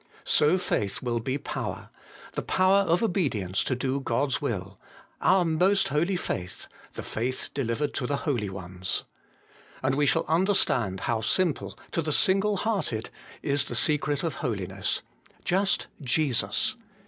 So faith will be power : the power of obedience to do God's will : HOLINESS AND FAITH. 165 ' our most holy faith,' ' the faith delivered to the holy ones.' And we shall understand how simple, to the single hearted, is the secret of holiness : just Jesus.